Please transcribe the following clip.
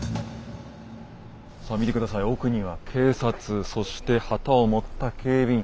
さあ見て下さい奥には警察そして旗を持った警備員。